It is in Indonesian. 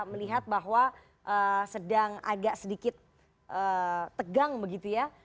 melihat bahwa sedang agak sedikit tegang begitu ya